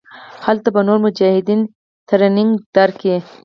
هلته به نور مجاهدين ټرېننگ درکي.